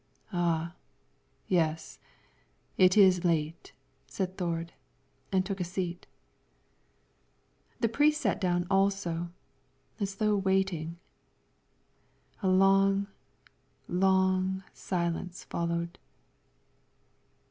"Ah, yes! it is late," said Thord, and took a seat. The priest sat down also, as though waiting. A long, long silence followed.